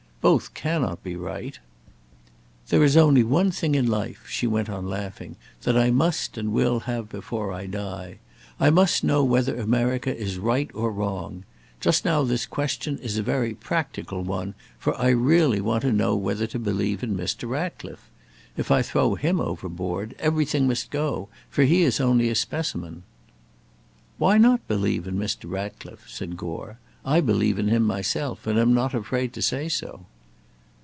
Both cannot be right. There is only one thing in life," she went on, laughing, "that I must and will have before I die. I must know whether America is right or wrong. Just now this question is a very practical one, for I really want to know whether to believe in Mr. Ratcliffe. If I throw him overboard, everything must go, for he is only a specimen." "Why not believe in Mr. Ratcliffe?" said Gore; "I believe in him myself, and am not afraid to say so."